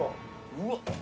うわっ。